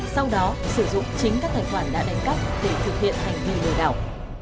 sau đó sử dụng chính các tài khoản đã đánh cắp để thực hiện hành vi lừa đảo